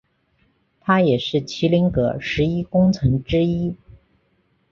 他也是麒麟阁十一功臣之一。